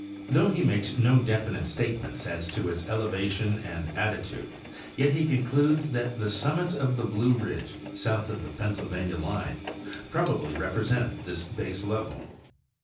Though he makes no definite statements as to its elevation and attitude, yet he concludes that the summits of the Blue ridge, south of the Pennsylvania line, probably repre sent this baselevel.